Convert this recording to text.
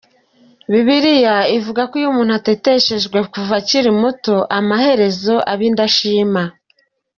Bibiliya ivuga ko iyo umuntu ‘ateteshejwe kuva akiri muto, amaherezo aba indashima’.